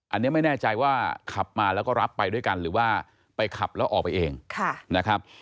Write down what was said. อันนี้ไม่แน่ใจว่าขับมาแล้วก็รับไปด้วยกันหรือว่าไปขับแล้วออกไปเองนะครับ